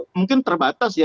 mungkin terbatas ya